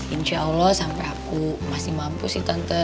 insya allah sampe aku masih mampu sih tante